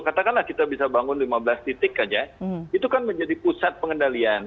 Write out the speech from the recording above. katakanlah kita bisa bangun lima belas titik saja itu kan menjadi pusat pengendalian